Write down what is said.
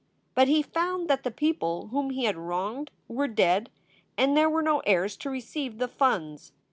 But he found that the people whom he had wronged were dead and there were no heirs to receive the funds.